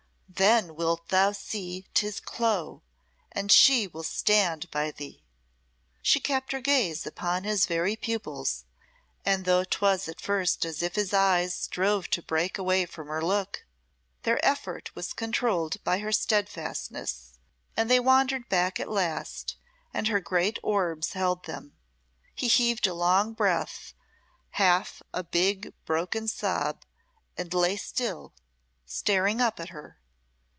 Then wilt thou see 'tis Clo and she will stand by thee." She kept her gaze upon his very pupils; and though 'twas at first as if his eyes strove to break away from her look, their effort was controlled by her steadfastness, and they wandered back at last, and her great orbs held them. He heaved a long breath, half a big, broken sob, and lay still, staring up at her.